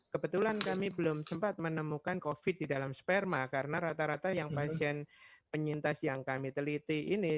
kebetulan kami belum sempat menemukan covid di dalam sperma karena rata rata yang pasien penyintas yang kami teliti ini